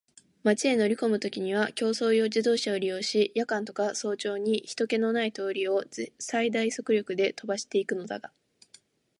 町へ乗りこむときには競走用自動車を利用し、夜間とか早朝に人気ひとけのない通りを最大速力で飛ばしていくのだが、